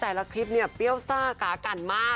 คลิปเนี่ยเปรี้ยวซ่ากากันมาก